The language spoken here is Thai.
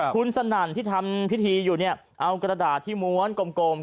คุณสนั่นที่ทำพิธีอยู่เนี่ยเอากระดาษที่ม้วนกลม